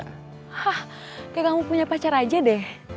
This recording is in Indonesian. hah kayak kamu punya pacar aja deh